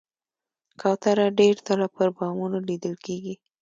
کوتره ډېر ځله پر بامونو لیدل کېږي.